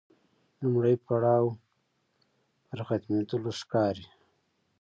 لومړی پړاو پر ختمېدلو ښکاري.